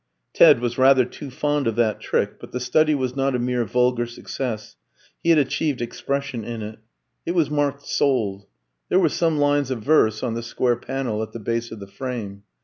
Ted was rather too fond of that trick; but the study was not a mere vulgar success he had achieved expression in it. It was marked "Sold." There were some lines of verse on the square panel at the base of the frame.